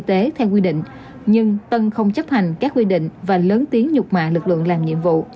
tân không chấp hành các quy định và lớn tiếng nhục mạ lực lượng làm nhiệm vụ